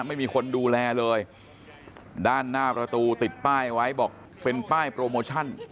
ไม่มีคนดูแลเลยด้านหน้าประตูติดป้ายไว้บอกเป็นป้ายโปรโมชั่น